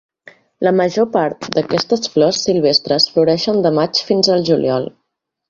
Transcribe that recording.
La major part d'aquestes flors silvestres floreixen de maig fins al juliol.